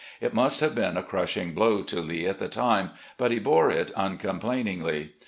It must have been a crushing blow to Lee at the time, but he bore it \mcomplainingly.